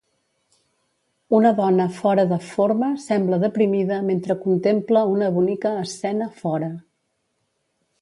Una dona fora de forma sembla deprimida mentre contempla una bonica escena fora.